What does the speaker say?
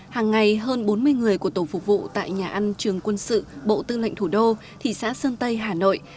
hàng ngày hơn bốn mươi người của tổ phục vụ tại nhà ăn trường quân sự bộ tư lệnh thủ đô thị xã sơn tây hà nội